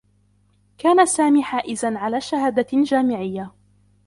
كان سامي حائزا على شهادة جامعيّة.